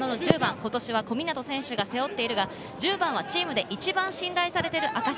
今年は小湊選手が背負っているが、１０番はチームで一番信頼されている証し。